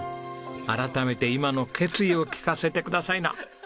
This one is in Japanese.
改めて今の決意を聞かせてくださいな。